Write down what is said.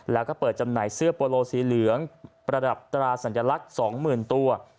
แล้วก็เปิดจำหน่ายเสื้อโปโลสีเหลืองประดับตราสัญลักษณ์๒๐๐๐ตัว